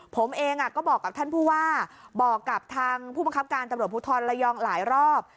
ผมเองก็บอกกับท่านผู้ว่าบอกกับทางผู้บังคับการตำรวจภูทรระยองหลายรอบ